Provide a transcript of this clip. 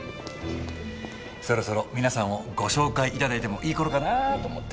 そろそろ皆さんをご紹介いただいてもいい頃かなぁと思って。